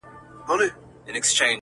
• چي هر پل یې د مجنون دی نازوه مي -